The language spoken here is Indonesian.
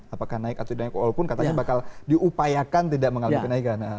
apakah naik atau tidak walaupun katanya bakal diupayakan tidak mengalami kenaikan